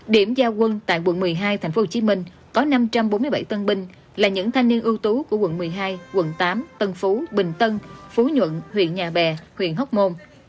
điểm giao quân tại quận một mươi hai thành phố hồ chí minh có năm trăm bốn mươi bảy tân binh là những thanh niên ưu tú của quận một mươi hai quận tám tân phú bình tân phú nhuận huyện nhà bè huyện hóc môn